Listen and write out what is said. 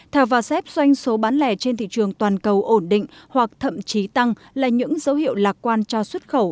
theo varsep doanh số bán lẻ trên thị trường toàn cầu ổn định hoặc thậm chí tăng là những dấu hiệu lạc quan cho xuất khẩu